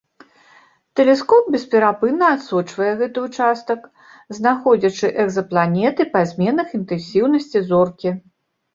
Тэлескоп бесперапынна адсочвае гэты ўчастак, знаходзячы экзапланеты па зменах інтэнсіўнасці зоркі.